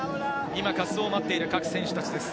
今、滑走を待っている各選手たちです。